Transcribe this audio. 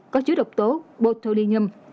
có chứa độc tố botulinum